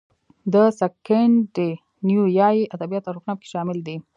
د سکینډینیویايي ادبیاتو اړخونه پکې شامل دي.